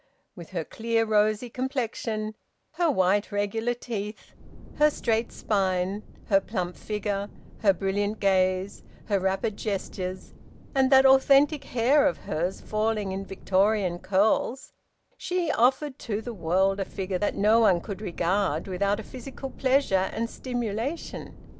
With her clear, rosy complexion, her white regular teeth, her straight spine, her plump figure, her brilliant gaze, her rapid gestures, and that authentic hair of hers falling in Victorian curls, she offered to the world a figure that no one could regard without a physical pleasure and stimulation.